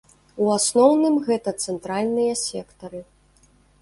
У асноўным гэта цэнтральныя сектары.